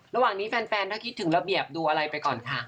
ระหว่างนี้แฟนถ้าคิดถึงระเบียบดูอะไรไปก่อนค่ะ